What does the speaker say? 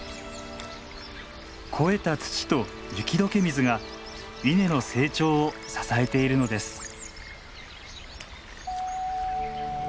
肥えた土と雪解け水が稲の成長を支えているのです。